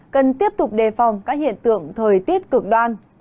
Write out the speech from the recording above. cần tiếp tục đề phòng các hiện tượng thời tiết cực đoan